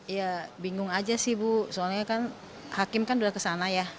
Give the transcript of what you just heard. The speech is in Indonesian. ya bingung aja sih bu soalnya kan hakim kan udah kesana ya